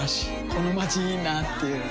このまちいいなぁっていう